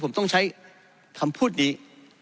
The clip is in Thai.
ว่าเราต้องใช้คำพูดนี้